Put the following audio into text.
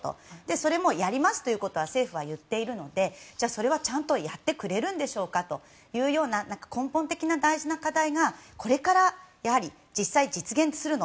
それもやりますということは政府は言っているのでそれはちゃんとやってくれるんでしょうかというような根本的な大事な課題がこれから実現するの？